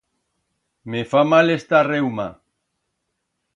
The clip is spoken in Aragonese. Me fa mal esta reuma.